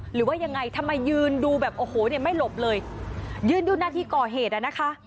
หรือว่ายังไงทำไมยืนดูแบบโอ้โหเนี่ยไม่หลบเลยยืนดูหน้าที่ก่อเหตุอ่ะนะคะ